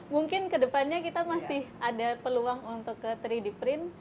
mungkin kedepannya kita masih ada peluang untuk ke tiga d print